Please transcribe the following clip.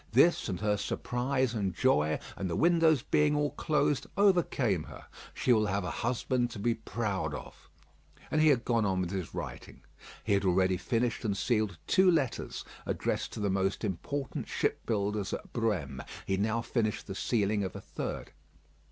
This and her surprise and joy, and the windows being all closed, overcame her. She will have a husband to be proud of." And he had gone on with his writing. He had already finished and sealed two letters, addressed to the most important shipbuilders at Brême. He now finished the sealing of a third.